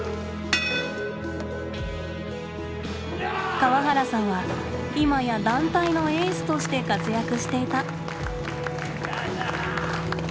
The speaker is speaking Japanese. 河原さんは今や団体のエースとして活躍していた。